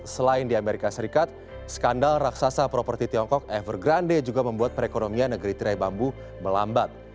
selain di amerika serikat skandal raksasa properti tiongkok evergrande juga membuat perekonomian negeri tirai bambu melambat